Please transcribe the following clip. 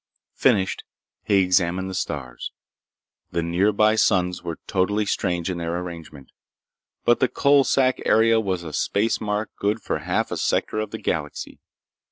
Finished, he examined the stars. The nearby suns were totally strange in their arrangement. But the Coalsack area was a space mark good for half a sector of the galaxy.